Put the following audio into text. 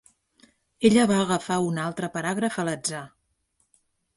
Ella va agafar un altre paràgraf a l'atzar.